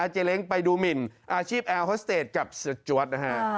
เจ๊เล้งไปดูหมินอาชีพแอลฮอสเตจกับสจวัตร